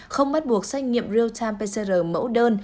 không bắt buộc xét nghiệm real time pcr mẫu đơn